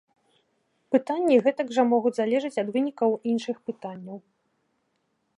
Пытанні гэтак жа могуць залежаць ад вынікаў іншых пытанняў.